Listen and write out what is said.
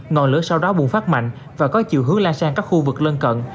ngọn lửa sau đó bùng phát mạnh và có chiều hướng lan sang các khu vực lân cận